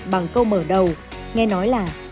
bằng câu mở đầu nghe nói là